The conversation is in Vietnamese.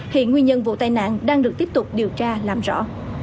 hiện nguyên nhân vụ tai nạn đang được tiếp tục điều tra làm rõ